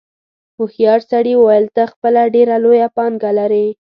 هوښیار سړي وویل ته خپله ډېره لویه پانګه لرې.